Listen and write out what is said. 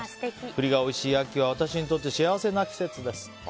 栗がおいしい秋は私にとって幸せな季節です。